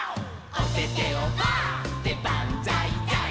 「おててをパーでバンザイザイ」